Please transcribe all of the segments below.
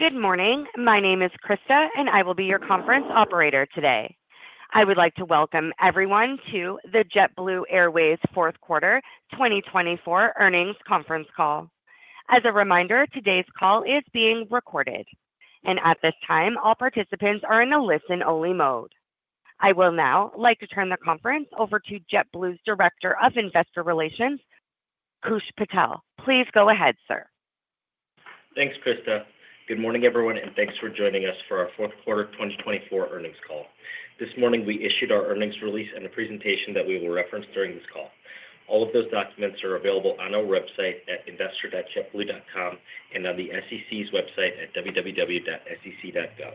Good morning. My name is Krista, and I will be your conference operator today. I would like to welcome everyone to the JetBlue Airways fourth quarter 2024 earnings conference call. As a reminder, today's call is being recorded, and at this time, all participants are in a listen-only mode. I will now like to turn the conference over to JetBlue's Director of Investor Relations, Koosh Patel. Please go ahead, sir. Thanks, Krista. Good morning, everyone, and thanks for joining us for our fourth quarter 2024 earnings call. This morning, we issued our earnings release and a presentation that we will reference during this call. All of those documents are available on our website at investor.jetblue.com and on the SEC's website at www.sec.gov.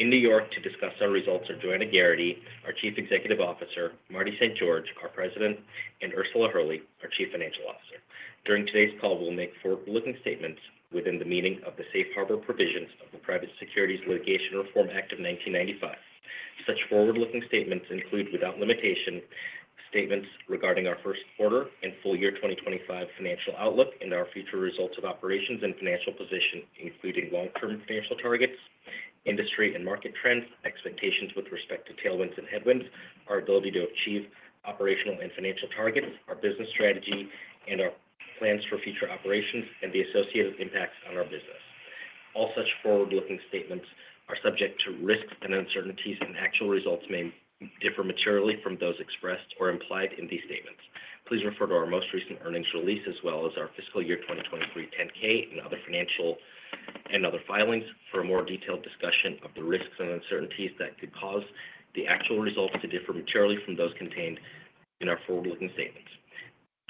In New York, to discuss our results are Joanna Geraghty, our Chief Executive Officer, Marty St. George, our President, and Ursula Hurley, our Chief Financial Officer. During today's call, we'll make forward-looking statements within the meaning of the Safe Harbor Provisions of the Private Securities Litigation Reform Act of 1995. Such forward-looking statements include, without limitation, statements regarding our first quarter and full year 2025 financial outlook and our future results of operations and financial position, including long-term financial targets, industry and market trends, expectations with respect to tailwinds and headwinds, our ability to achieve operational and financial targets, our business strategy, and our plans for future operations and the associated impacts on our business. All such forward-looking statements are subject to risks and uncertainties, and actual results may differ materially from those expressed or implied in these statements. Please refer to our most recent earnings release, as well as our Fiscal Year 2023 10-K and other financial and other filings, for a more detailed discussion of the risks and uncertainties that could cause the actual results to differ materially from those contained in our forward-looking statements.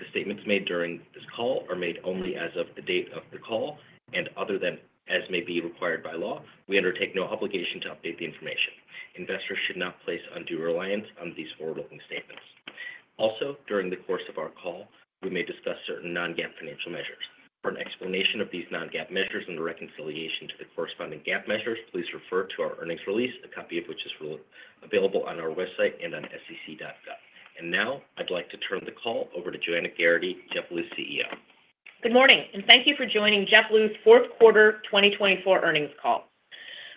The statements made during this call are made only as of the date of the call, and other than as may be required by law, we undertake no obligation to update the information. Investors should not place undue reliance on these forward-looking statements. Also, during the course of our call, we may discuss certain non-GAAP financial measures. For an explanation of these non-GAAP measures and the reconciliation to the corresponding GAAP measures, please refer to our earnings release, a copy of which is available on our website and on sec.gov. And now, I'd like to turn the call over to Joanna Geraghty, JetBlue's CEO. Good morning, and thank you for joining JetBlue's fourth quarter 2024 earnings call.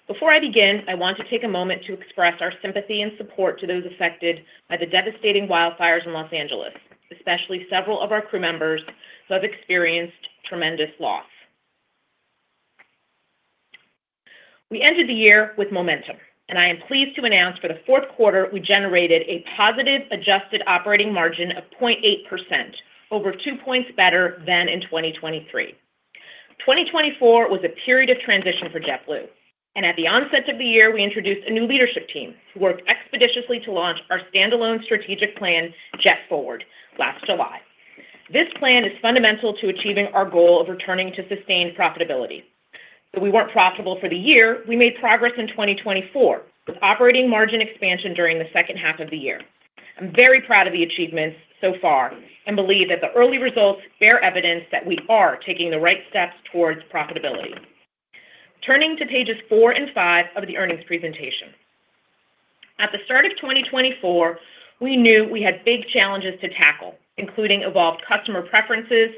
Before I begin, I want to take a moment to express our sympathy and support to those affected by the devastating wildfires in Los Angeles, especially several of our crew members who have experienced tremendous loss. We ended the year with momentum, and I am pleased to announce for the fourth quarter we generated a positive adjusted operating margin of 0.8%, over two points better than in 2023. 2024 was a period of transition for JetBlue, and at the onset of the year, we introduced a new leadership team who worked expeditiously to launch our standalone strategic plan, JetForward, last July. This plan is fundamental to achieving our goal of returning to sustained profitability. Though we weren't profitable for the year, we made progress in 2024 with operating margin expansion during the second half of the year. I'm very proud of the achievements so far and believe that the early results bear evidence that we are taking the right steps towards profitability. Turning to pages four and five of the earnings presentation, at the start of 2024, we knew we had big challenges to tackle, including evolved customer preferences,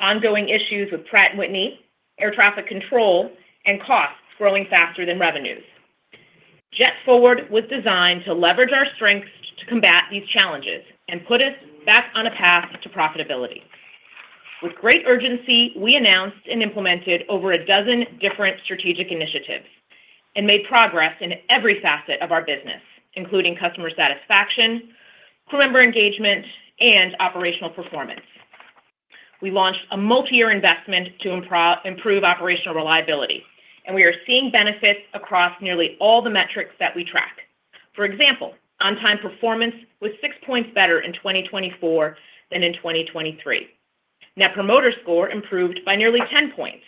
ongoing issues with Pratt & Whitney, air traffic control, and costs growing faster than revenues. JetForward was designed to leverage our strengths to combat these challenges and put us back on a path to profitability. With great urgency, we announced and implemented over a dozen different strategic initiatives and made progress in every facet of our business, including customer satisfaction, crew member engagement, and operational performance. We launched a multi-year investment to improve operational reliability, and we are seeing benefits across nearly all the metrics that we track. For example, on-time performance was six points better in 2024 than in 2023. Net Promoter Score improved by nearly 10 points,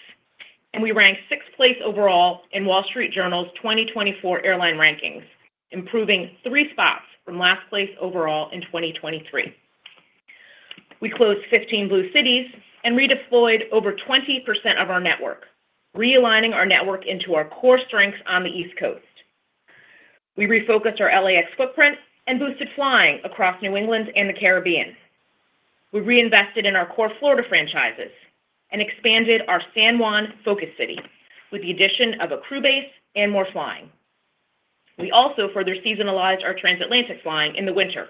and we ranked sixth place overall in The Wall Street Journal's 2024 airline rankings, improving three spots from last place overall in 2023. We closed 15 Blue cities and redeployed over 20% of our network, realigning our network into our core strengths on the East Coast. We refocused our LAX footprint and boosted flying across New England and the Caribbean. We reinvested in our core Florida franchises and expanded our San Juan focus city with the addition of a crew base and more flying. We also further seasonalized our transatlantic flying in the winter,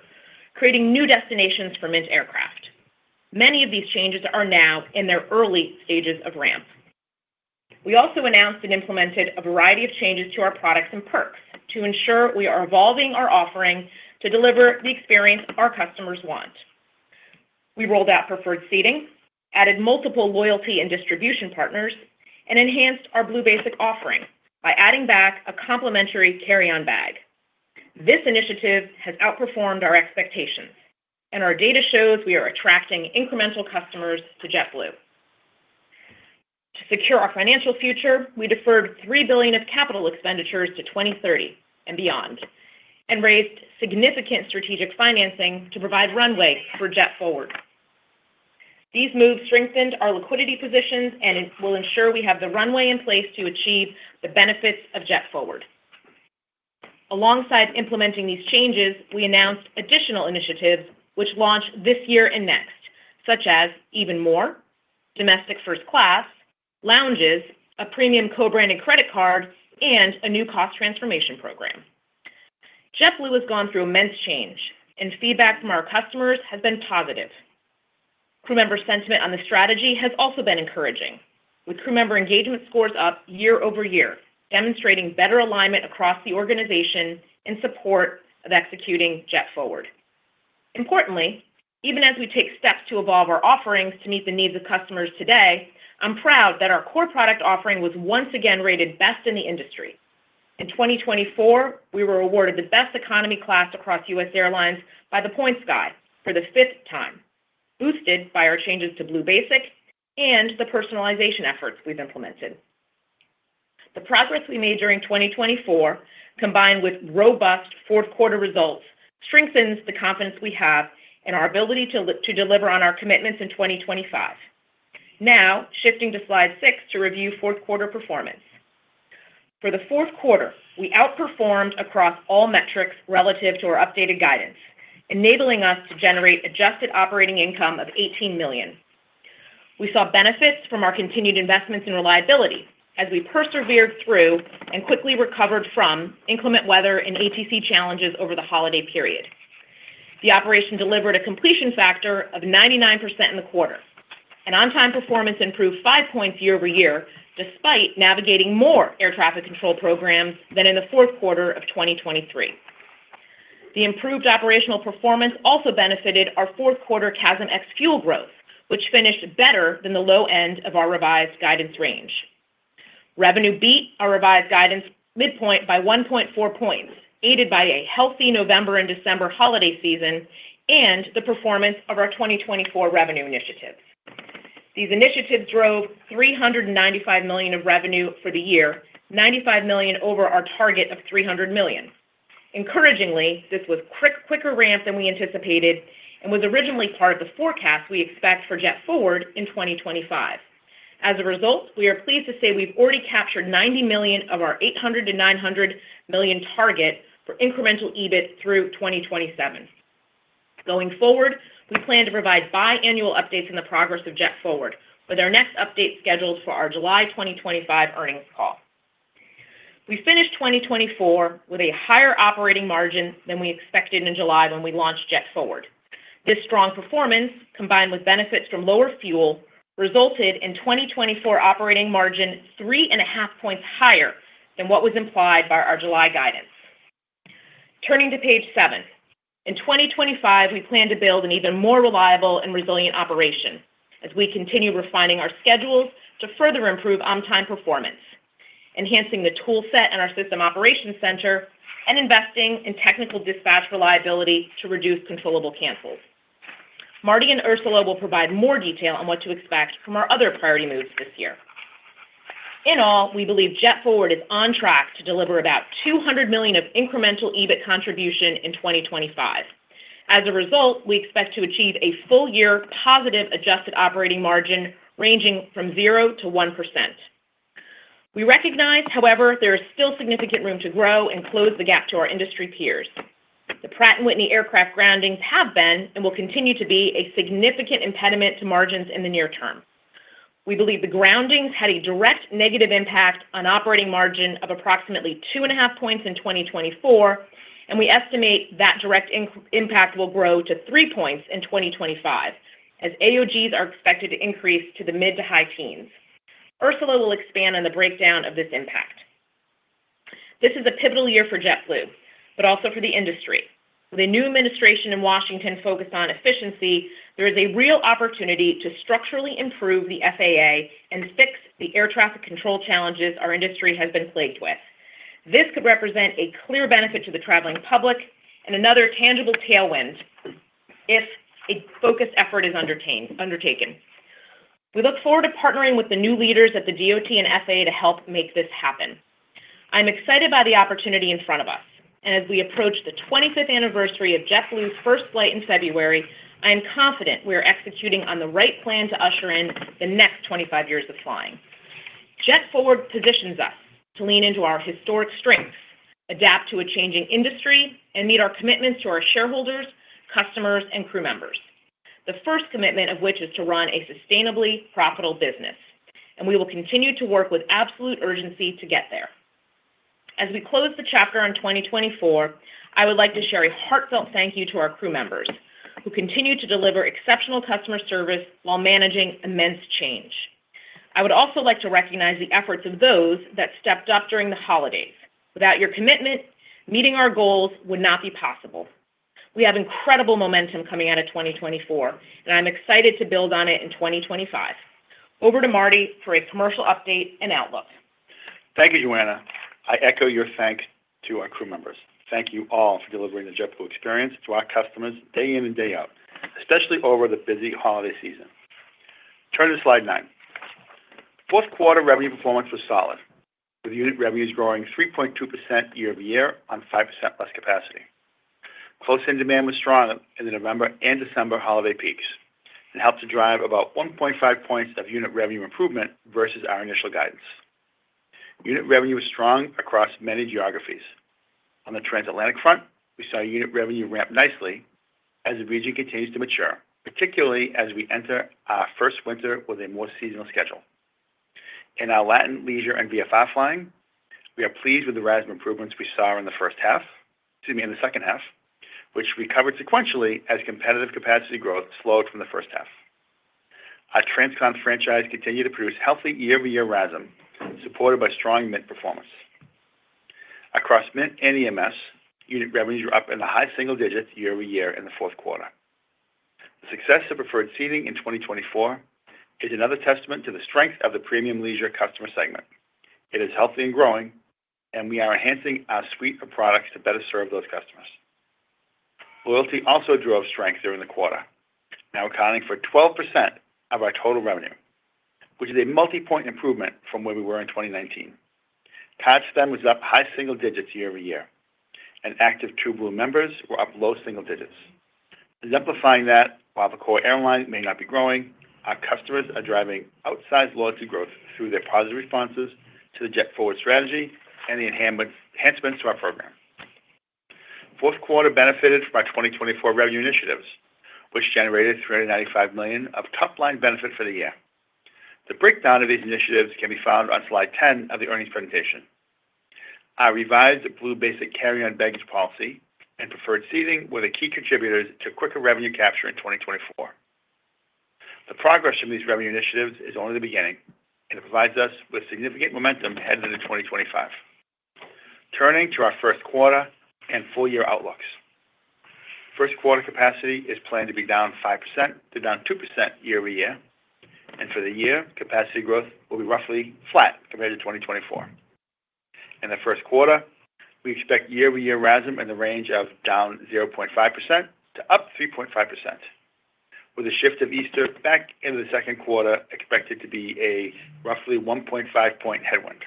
creating new destinations for Mint aircraft. Many of these changes are now in their early stages of ramp. We also announced and implemented a variety of changes to our products and perks to ensure we are evolving our offering to deliver the experience our customers want. We rolled out preferred seating, added multiple loyalty and distribution partners, and enhanced our Blue Basic offering by adding back a complimentary carry-on bag. This initiative has outperformed our expectations, and our data shows we are attracting incremental customers to JetBlue. To secure our financial future, we deferred $3 billion of capital expenditures to 2030 and beyond and raised significant strategic financing to provide runway for JetForward. These moves strengthened our liquidity positions and will ensure we have the runway in place to achieve the benefits of JetForward. Alongside implementing these changes, we announced additional initiatives which launch this year and next, such as EvenMore, Domestic First Class, lounges, a premium co-branded credit card, and a new cost transformation program. JetBlue has gone through immense change, and feedback from our customers has been positive. Crew member sentiment on the strategy has also been encouraging, with crew member engagement scores up year-over-year, demonstrating better alignment across the organization in support of executing JetForward. Importantly, even as we take steps to evolve our offerings to meet the needs of customers today, I'm proud that our core product offering was once again rated best in the industry. In 2024, we were awarded the best economy class across U.S. Airlines by The Points Guy for the fifth time, boosted by our changes to Blue Basic and the personalization efforts we've implemented. The progress we made during 2024, combined with robust fourth quarter results, strengthens the confidence we have and our ability to deliver on our commitments in 2025. Now, shifting to slide six to review fourth quarter performance. For the fourth quarter, we outperformed across all metrics relative to our updated guidance, enabling us to generate adjusted operating income of $18 million. We saw benefits from our continued investments in reliability as we persevered through and quickly recovered from inclement weather and ATC challenges over the holiday period. The operation delivered a completion factor of 99% in the quarter, and on-time performance improved five points year-over-year despite navigating more air traffic control programs than in the fourth quarter of 2023. The improved operational performance also benefited our fourth quarter CASM ex-fuel growth, which finished better than the low end of our revised guidance range. Revenue beat our revised guidance midpoint by 1.4 points, aided by a healthy November and December holiday season and the performance of our 2024 revenue initiatives. These initiatives drove $395 million of revenue for the year, $95 million over our target of $300 million. Encouragingly, this was quicker ramp than we anticipated and was originally part of the forecast we expect for JetForward in 2025. As a result, we are pleased to say we've already captured $90 million of our $800-$900 million target for incremental EBIT through 2027. Going forward, we plan to provide biannual updates on the progress of JetForward, with our next update scheduled for our July 2025 earnings call. We finished 2024 with a higher operating margin than we expected in July when we launched JetForward. This strong performance, combined with benefits from lower fuel, resulted in 2024 operating margin 3.5 points higher than what was implied by our July guidance. Turning to page seven, in 2025, we plan to build an even more reliable and resilient operation as we continue refining our schedules to further improve on-time performance, enhancing the toolset in our System Operations Center, and investing in technical dispatch reliability to reduce controllable cancels. Marty and Ursula will provide more detail on what to expect from our other priority moves this year. In all, we believe JetForward is on track to deliver about $200 million of incremental EBIT contribution in 2025. As a result, we expect to achieve a full year positive adjusted operating margin ranging from 0%-1%. We recognize, however, there is still significant room to grow and close the gap to our industry peers. The Pratt & Whitney Aircraft groundings have been and will continue to be a significant impediment to margins in the near term. We believe the groundings had a direct negative impact on operating margin of approximately 2.5 points in 2024, and we estimate that direct impact will grow to 3 points in 2025 as AOGs are expected to increase to the mid to high teens. Ursula will expand on the breakdown of this impact. This is a pivotal year for JetBlue, but also for the industry. With a new administration in Washington focused on efficiency, there is a real opportunity to structurally improve the FAA and fix the air traffic control challenges our industry has been plagued with. This could represent a clear benefit to the traveling public and another tangible tailwind if a focused effort is undertaken. We look forward to partnering with the new leaders at the DOT and FAA to help make this happen. I'm excited by the opportunity in front of us, and as we approach the 25th anniversary of JetBlue's first flight in February, I am confident we are executing on the right plan to usher in the next 25 years of flying. JetForward positions us to lean into our historic strengths, adapt to a changing industry, and meet our commitments to our shareholders, customers, and crew members, the first commitment of which is to run a sustainably profitable business, and we will continue to work with absolute urgency to get there. As we close the chapter on 2024, I would like to share a heartfelt thank you to our crew members who continue to deliver exceptional customer service while managing immense change. I would also like to recognize the efforts of those that stepped up during the holidays. Without your commitment, meeting our goals would not be possible. We have incredible momentum coming out of 2024, and I'm excited to build on it in 2025. Over to Marty for a commercial update and outlook. Thank you, Joanna. I echo your thanks to our crew members. Thank you all for delivering the JetBlue experience to our customers day in and day out, especially over the busy holiday season. Turning to slide 9, fourth quarter revenue performance was solid, with unit revenues growing 3.2% year-over-year on 5% less capacity. Close-in demand was strong in the November and December holiday peaks and helped to drive about 1.5 points of unit revenue improvement versus our initial guidance. Unit revenue was strong across many geographies. On the transatlantic front, we saw unit revenue ramp nicely as the region continues to mature, particularly as we enter our first winter with a more seasonal schedule. In our Latin leisure and VFR flying, we are pleased with the RASM improvements we saw in the second half, which we covered sequentially as competitive capacity growth slowed from the first half. Our TransCon franchise continued to produce healthy year-over-year RASM, supported by strong Mint performance. Across Mint and EMS, unit revenues were up in the high single digits year-over-year in the fourth quarter. The success of preferred seating in 2024 is another testament to the strength of the premium leisure customer segment. It is healthy and growing, and we are enhancing our suite of products to better serve those customers. Loyalty also drove strength during the quarter, now accounting for 12% of our total revenue, which is a multi-point improvement from where we were in 2019. Patch spend was up high single digits year-over-year, and active TrueBlue members were up low single digits. Exemplifying that, while the core airline may not be growing, our customers are driving outsized loyalty growth through their positive responses to the JetForward strategy and the enhancements to our program. Fourth quarter benefited from our 2024 revenue initiatives, which generated $395 million of top-line benefit for the year. The breakdown of these initiatives can be found on slide 10 of the earnings presentation. Our revised Blue Basic carry-on baggage policy and preferred seating were the key contributors to quicker revenue capture in 2024. The progress from these revenue initiatives is only the beginning, and it provides us with significant momentum headed into 2025. Turning to our first quarter and full year outlooks, first quarter capacity is planned to be down 5% to down 2% year-over-year, and for the year, capacity growth will be roughly flat compared to 2024. In the first quarter, we expect year-over-year RASM in the range of down 0.5% to up 3.5%, with a shift of Easter back into the second quarter expected to be a roughly 1.5-point headwind.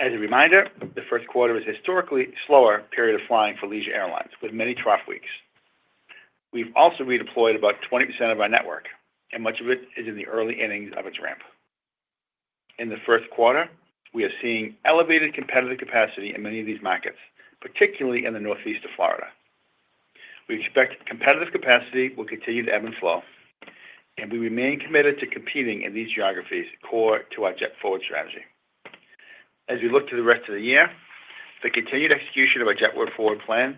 As a reminder, the first quarter is a historically slower period of flying for leisure airlines, with many trough weeks. We've also redeployed about 20% of our network, and much of it is in the early innings of its ramp. In the first quarter, we are seeing elevated competitive capacity in many of these markets, particularly in the Northeast and Florida. We expect competitive capacity will continue to ebb and flow, and we remain committed to competing in these geographies core to our JetForward strategy. As we look to the rest of the year, the continued execution of our JetBlue JetForward plan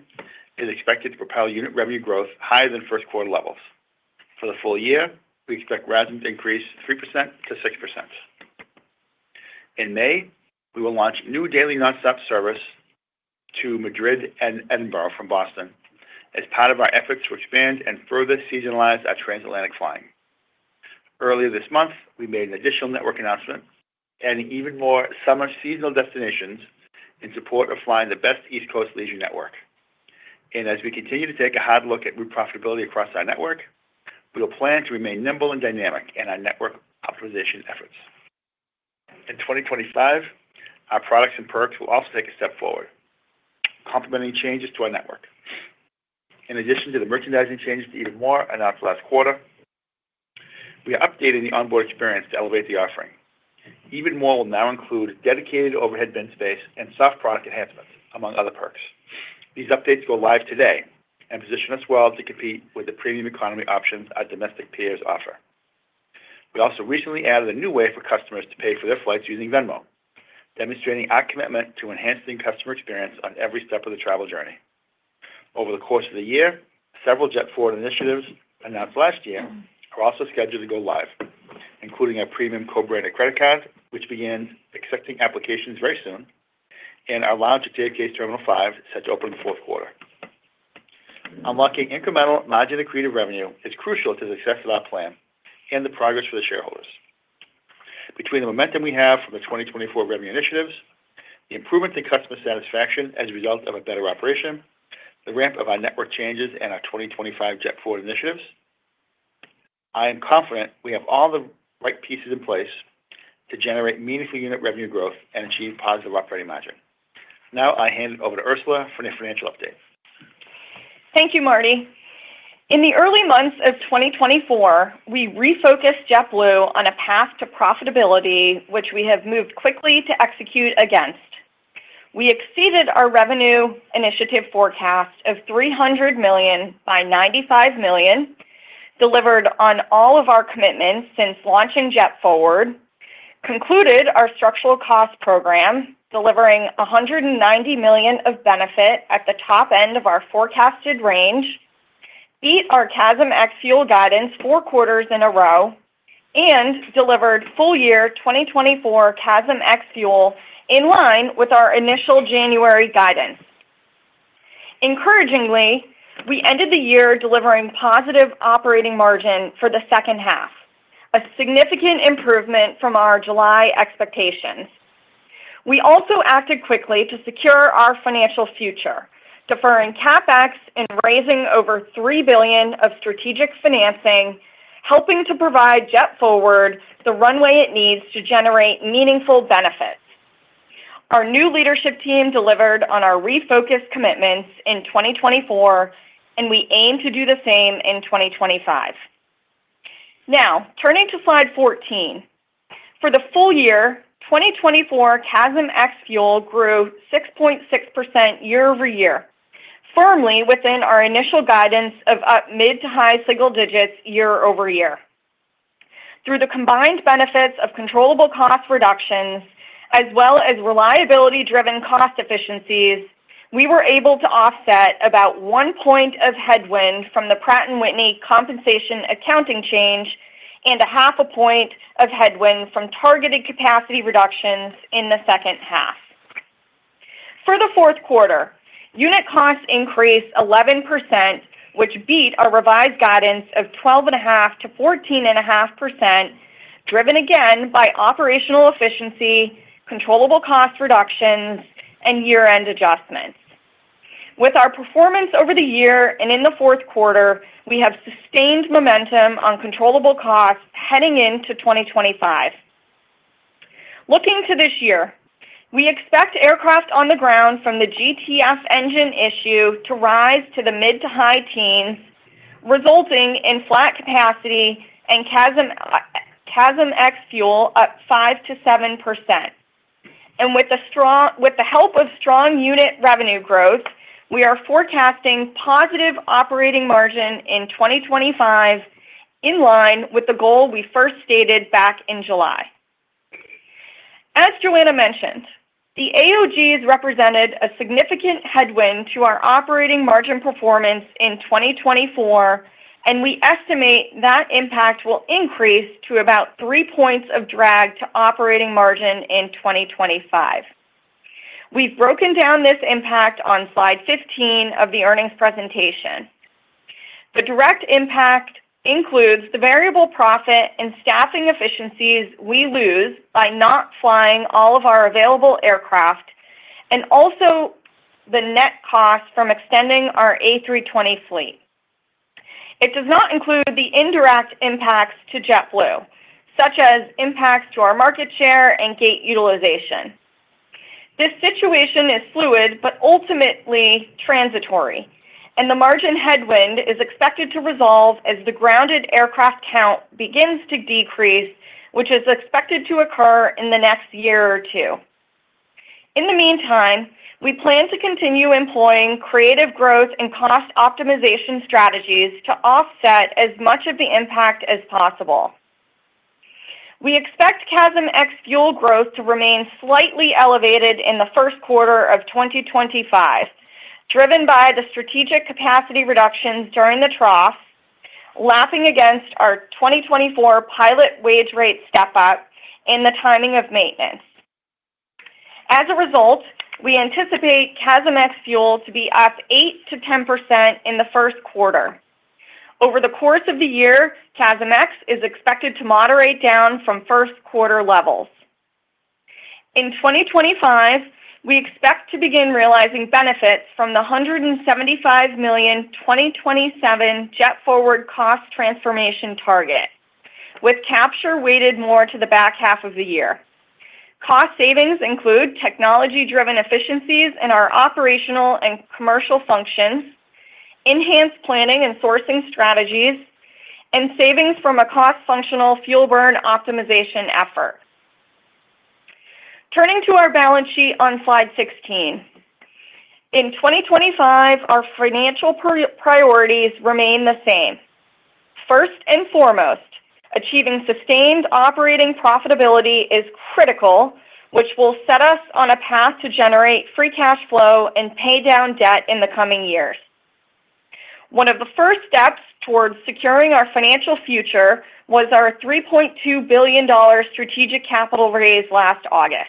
is expected to propel unit revenue growth higher than first quarter levels. For the full year, we expect RASM to increase 3%-6%. In May, we will launch new daily nonstop service to Madrid and Edinburgh from Boston as part of our efforts to expand and further seasonalize our transatlantic flying. Earlier this month, we made an additional network announcement, adding even more summer seasonal destinations in support of flying the best East Coast leisure network, and as we continue to take a hard look at route profitability across our network, we will plan to remain nimble and dynamic in our network optimization efforts. In 2025, our products and perks will also take a step forward, complementing changes to our network. In addition to the merchandising changes to EvenMore announced last quarter, we are updating the onboard experience to elevate the offering. EvenMore will now include dedicated overhead bin space and soft product enhancements, among other perks. These updates go live today and position us well to compete with the premium economy options our domestic peers offer. We also recently added a new way for customers to pay for their flights using Venmo, demonstrating our commitment to enhancing customer experience on every step of the travel journey. Over the course of the year, several JetForward initiatives announced last year are also scheduled to go live, including our premium co-branded credit card, which begins accepting applications very soon, and our lounge at JFK's Terminal 5 set to open in the fourth quarter. Unlocking incremental margin of creative revenue is crucial to the success of our plan and the progress for the shareholders. Between the momentum we have from the 2024 revenue initiatives, the improvement in customer satisfaction as a result of a better operation, the ramp of our network changes, and our 2025 JetForward initiatives, I am confident we have all the right pieces in place to generate meaningful unit revenue growth and achieve positive operating margin. Now I hand it over to Ursula for any financial update. Thank you, Marty. In the early months of 2024, we refocused JetBlue on a path to profitability, which we have moved quickly to execute against. We exceeded our revenue initiative forecast of $300 million by $95 million, delivered on all of our commitments since launching JetForward, concluded our structural cost program, delivering $190 million of benefit at the top end of our forecasted range, beat our CASM-ex fuel guidance four quarters in a row, and delivered full year 2024 CASM-ex fuel in line with our initial January guidance. Encouragingly, we ended the year delivering positive operating margin for the second half, a significant improvement from our July expectations. We also acted quickly to secure our financial future, deferring CapEx and raising over $3 billion of strategic financing, helping to provide JetForward the runway it needs to generate meaningful benefits. Our new leadership team delivered on our refocused commitments in 2024, and we aim to do the same in 2025. Now, turning to slide 14, for the full year, 2024 CASM-ex fuel grew 6.6% year-over-year, firmly within our initial guidance of up mid to high single digits year-over-year. Through the combined benefits of controllable cost reductions, as well as reliability-driven cost efficiencies, we were able to offset about one point of headwind from the Pratt & Whitney compensation accounting change and a half a point of headwind from targeted capacity reductions in the second half. For the fourth quarter, unit costs increased 11%, which beat our revised guidance of 12.5%-14.5%, driven again by operational efficiency, controllable cost reductions, and year-end adjustments. With our performance over the year and in the fourth quarter, we have sustained momentum on controllable costs heading into 2025. Looking to this year, we expect aircraft on the ground from the GTF engine issue to rise to the mid to high teens, resulting in flat capacity and CASM-ex, fuel up 5%-7%. And with the help of strong unit revenue growth, we are forecasting positive operating margin in 2025, in line with the goal we first stated back in July. As Joanna mentioned, the AOGs represented a significant headwind to our operating margin performance in 2024, and we estimate that impact will increase to about three points of drag to operating margin in 2025. We've broken down this impact on slide 15 of the earnings presentation. The direct impact includes the variable profit and staffing efficiencies we lose by not flying all of our available aircraft, and also the net cost from extending our A320 fleet. It does not include the indirect impacts to JetBlue, such as impacts to our market share and gate utilization. This situation is fluid, but ultimately transitory, and the margin headwind is expected to resolve as the grounded aircraft count begins to decrease, which is expected to occur in the next year or two. In the meantime, we plan to continue employing creative growth and cost optimization strategies to offset as much of the impact as possible. We expect CASM-ex fuel growth to remain slightly elevated in the first quarter of 2025, driven by the strategic capacity reductions during the trough, lapping against our 2024 pilot wage rate step-up and the timing of maintenance. As a result, we anticipate CASM-ex fuel to be up 8% to 10% in the first quarter. Over the course of the year, CASM-ex is expected to moderate down from first quarter levels. In 2025, we expect to begin realizing benefits from the $175 million 2027 JetForward cost transformation target, with capture weighted more to the back half of the year. Cost savings include technology-driven efficiencies in our operational and commercial functions, enhanced planning and sourcing strategies, and savings from a cost-functional fuel burn optimization effort. Turning to our balance sheet on slide 16, in 2025, our financial priorities remain the same. First and foremost, achieving sustained operating profitability is critical, which will set us on a path to generate free cash flow and pay down debt in the coming years. One of the first steps towards securing our financial future was our $3.2 billion strategic capital raise last August.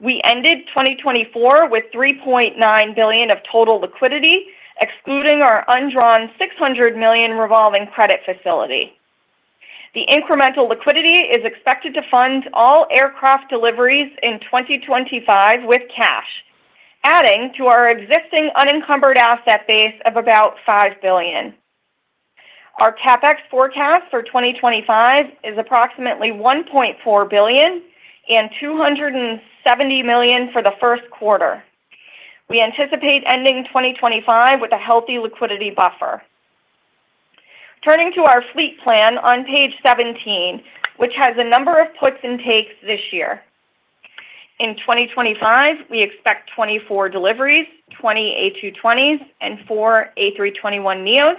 We ended 2024 with $3.9 billion of total liquidity, excluding our undrawn $600 million revolving credit facility. The incremental liquidity is expected to fund all aircraft deliveries in 2025 with cash, adding to our existing unencumbered asset base of about $5 billion. Our CapEx forecast for 2025 is approximately $1.4 billion and $270 million for the first quarter. We anticipate ending 2025 with a healthy liquidity buffer. Turning to our fleet plan on page 17, which has a number of puts and takes this year. In 2025, we expect 24 deliveries, 20 A220s, and 4 A321neos.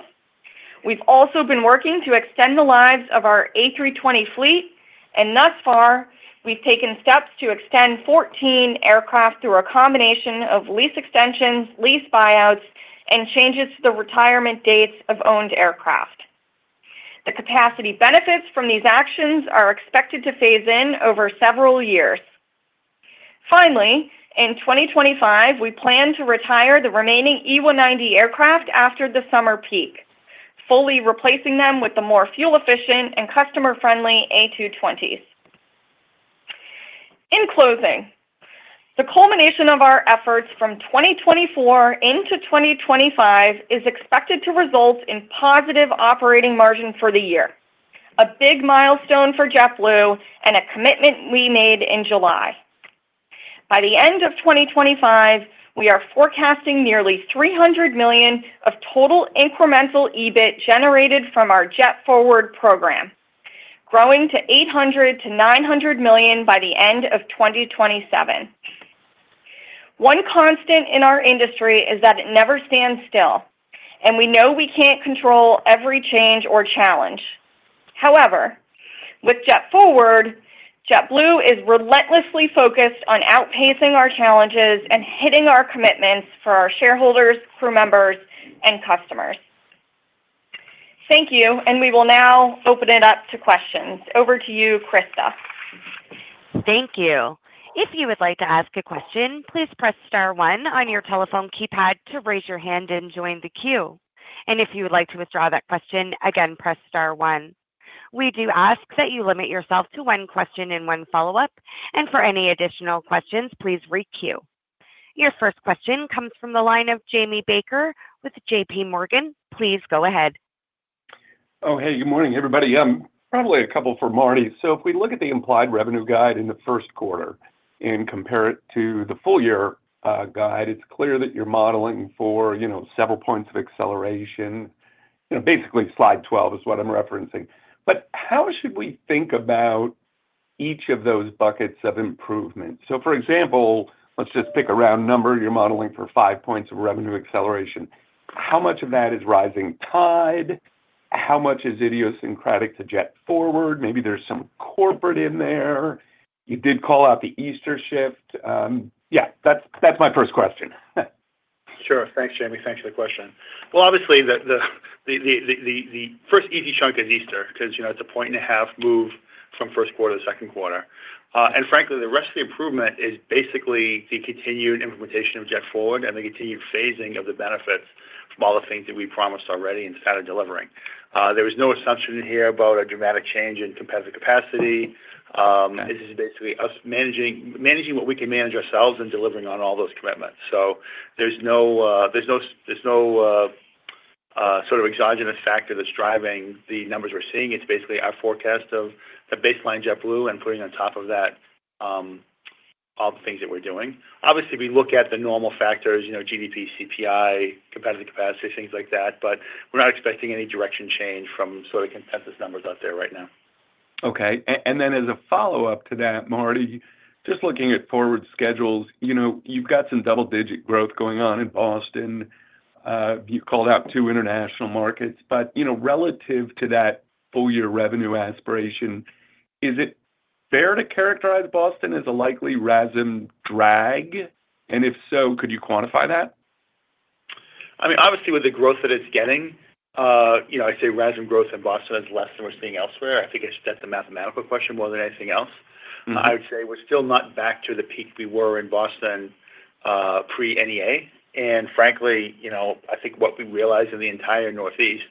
We've also been working to extend the lives of our A320 fleet, and thus far, we've taken steps to extend 14 aircraft through a combination of lease extensions, lease buyouts, and changes to the retirement dates of owned aircraft. The capacity benefits from these actions are expected to phase in over several years. Finally, in 2025, we plan to retire the remaining E190 aircraft after the summer peak, fully replacing them with the more fuel-efficient and customer-friendly A220s. In closing, the culmination of our efforts from 2024 into 2025 is expected to result in positive operating margin for the year, a big milestone for JetBlue and a commitment we made in July. By the end of 2025, we are forecasting nearly $300 million of total incremental EBIT generated from our JetForward program, growing to $800 million-$900 million by the end of 2027. One constant in our industry is that it never stands still, and we know we can't control every change or challenge. However, with JetForward, JetBlue is relentlessly focused on outpacing our challenges and hitting our commitments for our shareholders, crew members, and customers. Thank you, and we will now open it up to questions. Over to you, Krista. Thank you. If you would like to ask a question, please press star one on your telephone keypad to raise your hand and join the queue. And if you would like to withdraw that question, again, press star one. We do ask that you limit yourself to one question and one follow-up, and for any additional questions, please re-queue. Your first question comes from the line of Jamie Baker with JPMorgan. Please go ahead. Oh, hey, good morning, everybody. Probably a couple for Marty. So if we look at the implied revenue guide in the first quarter and compare it to the full year guide, it's clear that you're modeling for several points of acceleration. Basically, slide 12 is what I'm referencing. But how should we think about each of those buckets of improvement? So for example, let's just pick a round number. You're modeling for five points of revenue acceleration. How much of that is rising tide? How much is idiosyncratic to JetForward? Maybe there's some corporate in there. You did call out the Easter shift. Yeah, that's my first question. Sure. Thanks, Jamie. Thanks for the question. Well, obviously, the first easy chunk is Easter because it's a point-and-a-half move from first quarter to second quarter. And frankly, the rest of the improvement is basically the continued implementation of JetForward and the continued phasing of the benefits from all the things that we promised already and started delivering. There was no assumption in here about a dramatic change in competitive capacity. This is basically us managing what we can manage ourselves and delivering on all those commitments. So there's no sort of exogenous factor that's driving the numbers we're seeing. It's basically our forecast of the baseline JetBlue and putting on top of that all the things that we're doing. Obviously, we look at the normal factors, GDP, CPI, competitive capacity, things like that, but we're not expecting any direction change from sort of consensus numbers out there right now. Okay. And then as a follow-up to that, Marty, just looking at forward schedules, you've got some double-digit growth going on in Boston. You called out two international markets. But relative to that full-year revenue aspiration, is it fair to characterize Boston as a likely RASM drag? And if so, could you quantify that? I mean, obviously, with the growth that it's getting, I'd say RASM and growth in Boston is less than we're seeing elsewhere. I think it's just the mathematical question more than anything else. I would say we're still not back to the peak we were in Boston pre-NEA, and frankly, I think what we realized in the entire Northeast,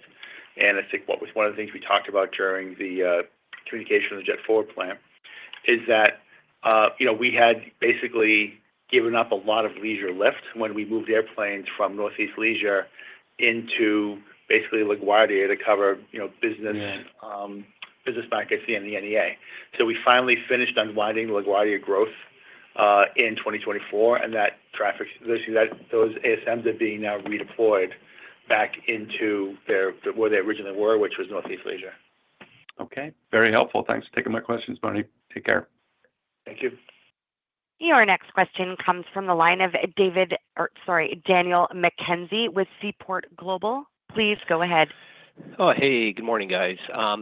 and I think what was one of the things we talked about during the communication with the JetForward plan, is that we had basically given up a lot of leisure lift when we moved airplanes from Northeast leisure into basically LaGuardia to cover business traffic in the NEA. So we finally finished unwinding LaGuardia growth in 2024, and those ASMs are being now redeployed back into where they originally were, which was Northeast leisure. Okay. Very helpful. Thanks for taking my questions, Marty. Take care. Thank you. Your next question comes from the line of Daniel McKenzie with Seaport Global. Please go ahead. Oh, hey, good morning, guys.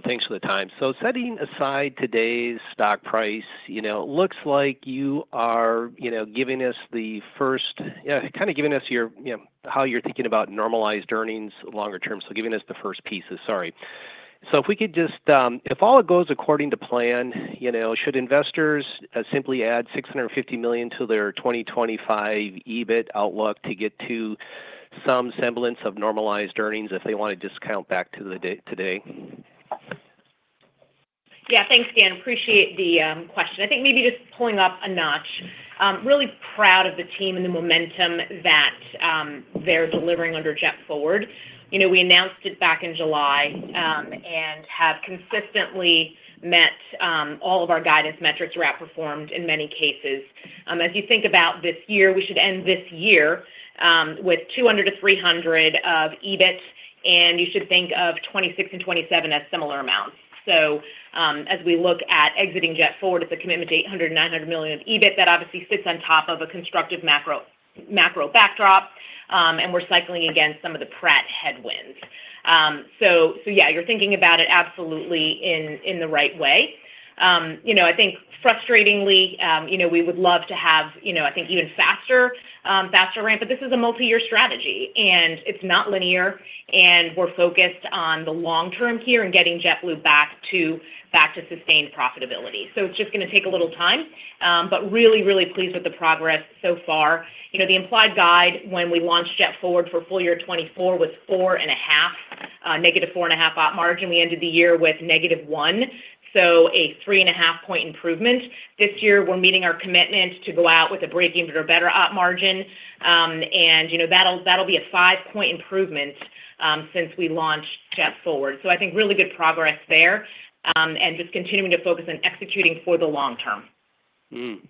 Thanks for the time. So setting aside today's stock price, it looks like you are giving us the first kind of how you're thinking about normalized earnings longer term. So giving us the first pieces, sorry. So if we could just, if all it goes according to plan, should investors simply add $650 million to their 2025 EBIT outlook to get to some semblance of normalized earnings if they want to discount back to today? Yeah, thanks, Dan. Appreciate the question. I think maybe just pulling up a notch. Really proud of the team and the momentum that they're delivering under JetForward. We announced it back in July and have consistently met all of our guidance metrics where outperformed in many cases. As you think about this year, we should end this year with $200 million-$300 million of EBIT, and you should think of 2026 and 2027 as similar amounts. So as we look at exiting JetForward, it's a commitment to $800 million-$900 million of EBIT that obviously sits on top of a constructive macro backdrop, and we're cycling against some of the Pratt headwinds. So yeah, you're thinking about it absolutely in the right way. I think, frustratingly, we would love to have, I think, even faster ramp, but this is a multi-year strategy, and it's not linear, and we're focused on the long-term here and getting JetBlue back to sustained profitability. So it's just going to take a little time, but really, really pleased with the progress so far. The implied guide, when we launched JetForward for full year 2024, was four and a half, negative four and a half op margin. We ended the year with negative one, so a three and a half point improvement. This year, we're meeting our commitment to go out with a break-even or better op margin, and that'll be a five-point improvement since we launched JetForward. So I think really good progress there and just continuing to focus on executing for the long term.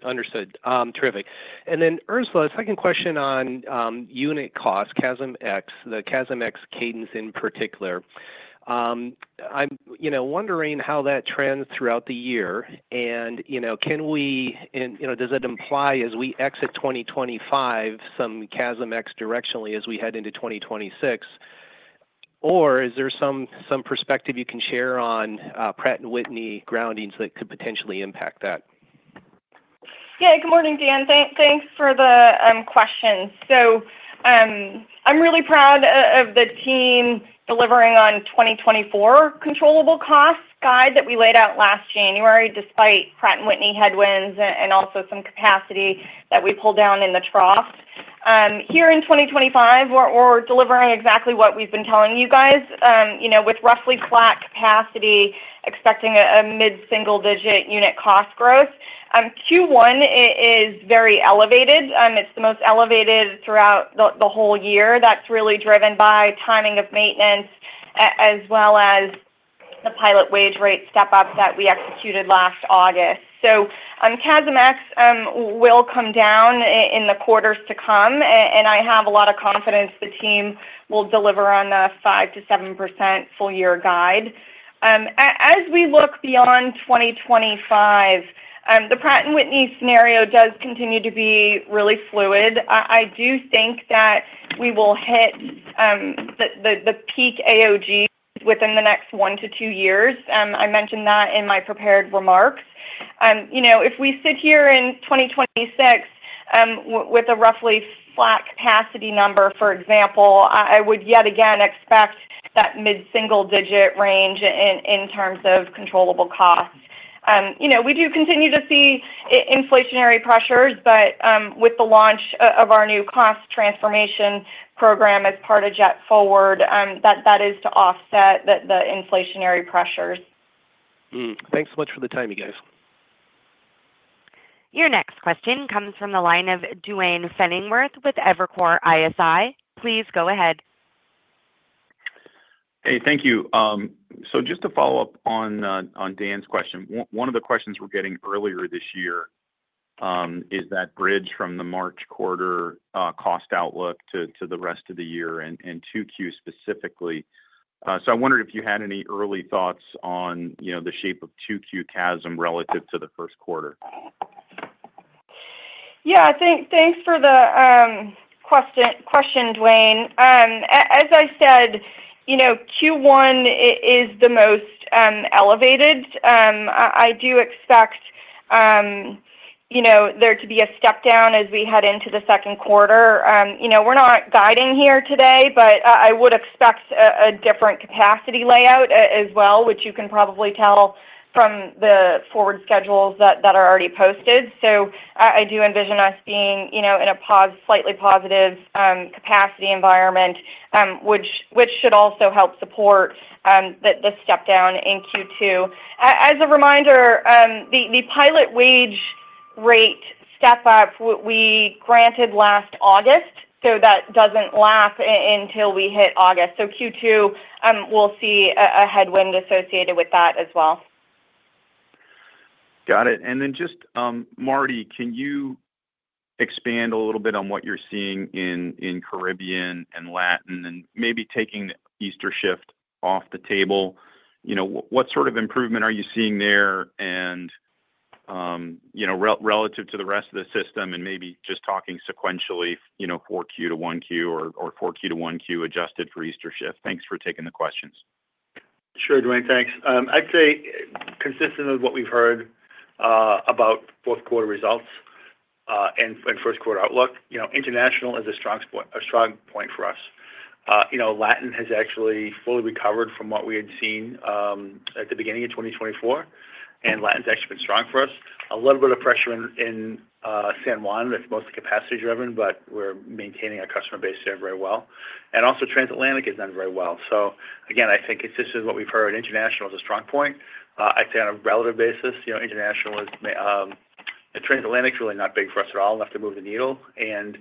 Understood. Terrific. And then, Ursula, a second question on unit cost, CASM-ex, the CASM-ex cadence in particular. I'm wondering how that trends throughout the year, and can we and does it imply, as we exit 2025, some CASM-ex directionally as we head into 2026? Or is there some perspective you can share on Pratt & Whitney groundings that could potentially impact that? Yeah, good morning, Dan. Thanks for the question. So I'm really proud of the team delivering on 2024 controllable costs guide that we laid out last January, despite Pratt & Whitney headwinds and also some capacity that we pulled down in the trough. Here in 2025, we're delivering exactly what we've been telling you guys with roughly flat capacity, expecting a mid-single-digit unit cost growth. Q1 is very elevated. It's the most elevated throughout the whole year. That's really driven by timing of maintenance as well as the pilot wage rate step-up that we executed last August. So CASM-ex will come down in the quarters to come, and I have a lot of confidence the team will deliver on the 5%-7% full-year guide. As we look beyond 2025, the Pratt & Whitney scenario does continue to be really fluid. I do think that we will hit the peak AOG within the next one to two years. I mentioned that in my prepared remarks. If we sit here in 2026 with a roughly flat capacity number, for example, I would yet again expect that mid-single-digit range in terms of controllable costs. We do continue to see inflationary pressures, but with the launch of our new cost transformation program as part of JetForward, that is to offset the inflationary pressures. Thanks so much for the time, you guys. Your next question comes from the line of Duane Pfennigwerth with Evercore ISI. Please go ahead. Hey, thank you. So just to follow up on Dan's question, one of the questions we're getting earlier this year is that bridge from the March quarter cost outlook to the rest of the year and 2Q specifically. So I wondered if you had any early thoughts on the shape of 2Q CASM relative to the first quarter. Yeah, thanks for the question, Duane. As I said, Q1 is the most elevated. I do expect there to be a step-down as we head into the second quarter. We're not guiding here today, but I would expect a different capacity layout as well, which you can probably tell from the forward schedules that are already posted. So I do envision us being in a slightly positive capacity environment, which should also help support the step-down in Q2. As a reminder, the pilot wage rate step-up we granted last August, so that doesn't lap until we hit August. So Q2, we'll see a headwind associated with that as well. Got it. And then just, Marty, can you expand a little bit on what you're seeing in Caribbean and Latin and maybe taking Easter shift off the table? What sort of improvement are you seeing there relative to the rest of the system and maybe just talking sequentially 4Q to 1Q or 4Q to 1Q adjusted for Easter shift? Thanks for taking the questions. Sure, Duane. Thanks. I'd say consistent with what we've heard about fourth quarter results and first quarter outlook, international is a strong point for us. Latin has actually fully recovered from what we had seen at the beginning of 2024, and Latin has actually been strong for us. A little bit of pressure in San Juan that's mostly capacity-driven, but we're maintaining our customer base there very well, and also, transatlantic has done very well. So again, I think consistent with what we've heard, international is a strong point. I'd say on a relative basis, international, transatlantic is really not big for us at all, enough to move the needle, and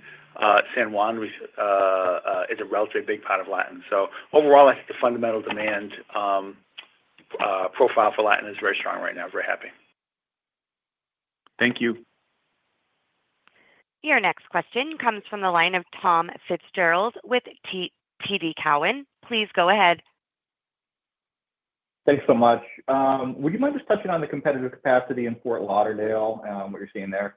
San Juan is a relatively big part of Latin. So overall, I think the fundamental demand profile for Latin is very strong right now. Very happy. Thank you. Your next question comes from the line of Tom Fitzgerald with TD Cowen. Please go ahead. Thanks so much. Would you mind just touching on the competitive capacity in Fort Lauderdale, what you're seeing there?